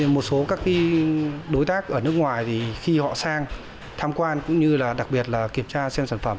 một số các đối tác ở nước ngoài khi họ sang tham quan cũng như đặc biệt kiểm tra xem sản phẩm